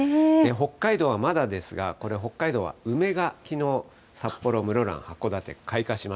北海道はまだですが、これ、北海道は梅がきのう、札幌、梅ですか。